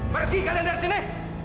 pergi kalian dari sini